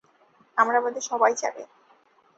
আমরা বাদে সবাই যাবে।